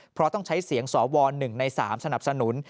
เพราะต้องใช้เสียงสว๑ใน๓สนับสนุน